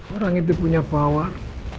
orang itu punya kekuatan